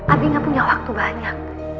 abi gak punya waktu banyak